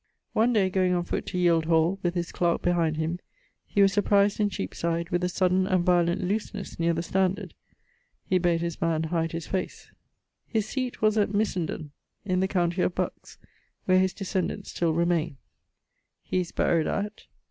One day goeing on foote to Yield hall, with his clarke behind him, he was surprised in Cheapside with a sudden and violent looseness neer the Standard. He ... bade his man hide his face.... His seate was at Missenden in the county of Bucks, where his descendents still remaine. He is buried at